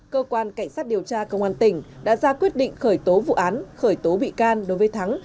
cơ quan cảnh sát điều tra công an tỉnh đã ra quyết định khởi tố vụ án khởi tố bị can đối với thắng